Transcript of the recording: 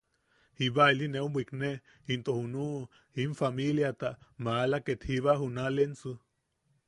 Jiba ili neu bwikne into junuʼu in famiiliata maala ket jiba junalensu.